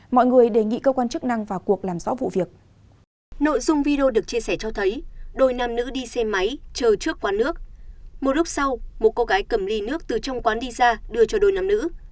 một lúc sau một cô gái cầm ly nước từ trong quán đi ra đưa cho đôi nam nữ